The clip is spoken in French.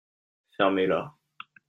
fermez-là.